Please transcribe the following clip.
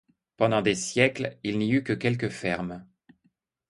Pendant des siècles, il n’y eut que quelques fermes.